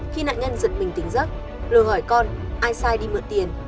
khi nạn nhân giật mình tính giấc lừa hỏi con ai sai đi mượn tiền